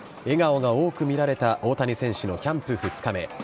笑顔が多く見られた大谷選手のキャンプ２日目。